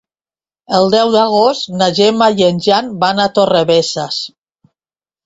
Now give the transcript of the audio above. El deu d'agost na Gemma i en Jan van a Torrebesses.